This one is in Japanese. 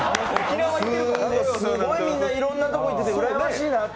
すごいみんな、いろんな所行っててうらやましいなと。